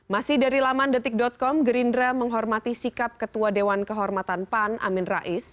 masih dari laman detik com gerindra menghormati sikap ketua dewan kehormatan pan amin rais